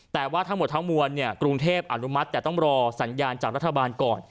แต่ว่าทั้งหมดทั้งมวลกรุงเทพอนุมัติแต่ต้องรอสัญญาณจากรัฐบาลก่อน